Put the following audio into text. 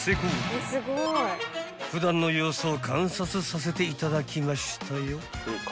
［普段の様子を観察させていただきましたよ］